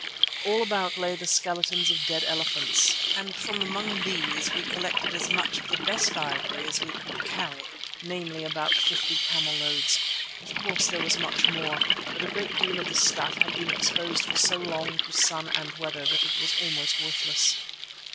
All about lay the skeletons of dead elephants, and from among these we collected as much of the best ivory as we could carry, namely about fifty camel loads. Of course there was much more, but a great deal of the stuff had been exposed for so long to sun and weather that it was almost worthless.